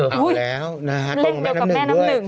อุ๊ยเลขเดียวกับแม่น้ำหนึ่งเฉยเลย